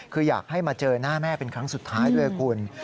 คืออยากให้มาเจอหน้าแม่เป็นครั้งสุดท้ายด้วยคุณ